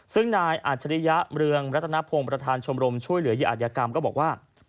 ซึ่งนายอาจารย์เรืองรัฐนพงษ์ประธานชมรมช่วยเหลือยิอาธิกรรมก็บอกว่า